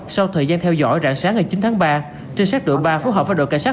sau thời gian theo dõi rạng sáng ngày chín tháng ba trinh sát đội ba phối hợp với đội cảnh sát